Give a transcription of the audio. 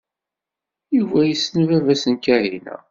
Yuba yessen baba-s n Kahina.